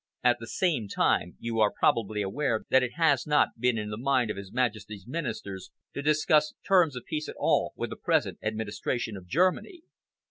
At the same time, you are probably aware that it has not been in the mind of His Majesty's Ministers to discuss terms of peace at all with the present administration of Germany."